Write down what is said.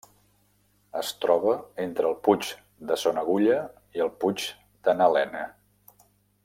Es troba entre el Puig de Son Agulla i el Puig de n'Elena.